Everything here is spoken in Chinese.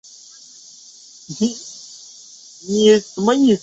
清太祖继妃。